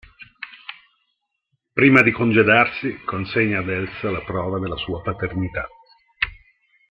Prima di congedarsi consegna ad Elsa la prova della sua paternità.